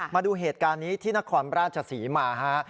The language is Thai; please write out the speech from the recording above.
มาดูเหตุการณ์นี้ที่นครราชศรีมาฮะ